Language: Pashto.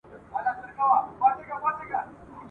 جهاني پر هغه دښته مي سفر سو !.